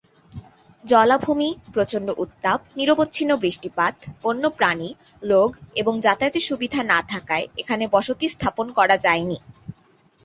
জলাভূমি, প্রচণ্ড উত্তাপ, নিরবচ্ছিন্ন বৃষ্টিপাত, বন্য প্রাণী, রোগ এবং যাতায়াতের সুবিধা না থাকায় এখানে বসতি স্থাপন করা যায়নি।